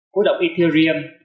của đồng ethereum